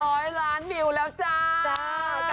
ร้อยล้านวิวแล้วจ้า